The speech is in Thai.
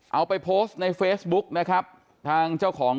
เอาไปโพสต์ในเฟซบุ๊กนะครับทางเจ้าของ